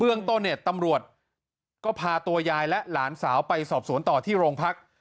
เรื่องต้นเนี่ยตำรวจก็พาตัวยายและหลานสาวไปสอบสวนต่อที่โรงพัก